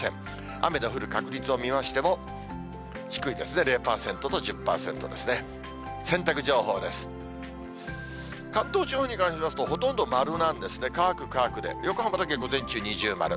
雨の降る確率を見ましても、低いですね、０％と１０％ですね。